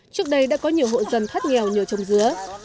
trước đây đã có nhiều hộ dân thoát nghèo nhờ trồng dứa